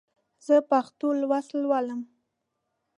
زه پښتو لوست لولم.